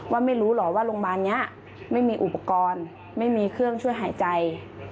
ว่าไม่รู้เหรอว่าโรงพยาบาลนี้ไม่มีอุปกรณ์ไม่มีเครื่องช่วยหายใจ